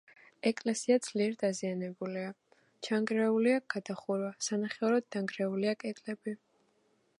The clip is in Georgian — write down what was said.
ეკლესია ძლიერ დაზიანებულია: ჩანგრეულია გადახურვა, სანახევროდ დანგრეულია კედლები.